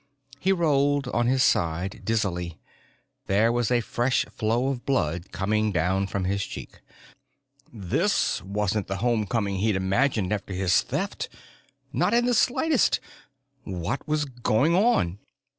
He rolled on his side dizzily. There was a fresh flow of blood coming down from his cheek. This wasn't the homecoming he'd imagined after his Theft not in the slightest! What was going on?